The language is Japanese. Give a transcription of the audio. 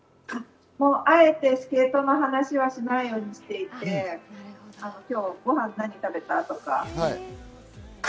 あえてスケートの話は、しないようにしていて、今日ご飯、何食べた？とか。